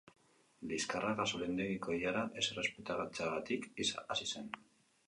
Liskarra gasolindegiko ilara ez errespetatzeaagtik hasi zen.